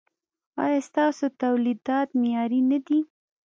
ایا ستاسو تولیدات معیاري نه دي؟